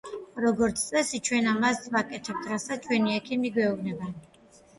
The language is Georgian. როგორც წესი, ჩვენ იმას ვაკეთებთ რასაც ჩვენი ექიმი გვეუბნება.